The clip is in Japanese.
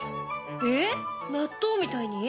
えっ納豆みたいに？